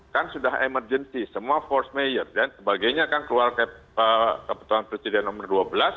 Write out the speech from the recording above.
kan sudah emergency semua force mayor dan sebagainya kan keluar keputusan presiden nomor dua belas